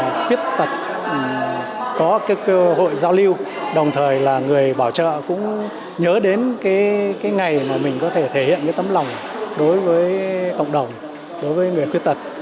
người khuyết tật có cái cơ hội giao lưu đồng thời là người bảo trợ cũng nhớ đến cái ngày mà mình có thể thể hiện cái tấm lòng đối với cộng đồng đối với người khuyết tật